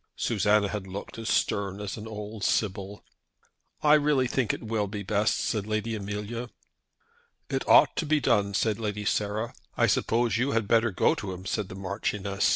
Susanna had looked as stern as an old sibyl. "I really think it will be best," said Lady Amelia. "It ought to be done," said Lady Sarah. "I suppose you had better go to him," said the Marchioness.